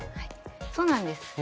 そうなんです。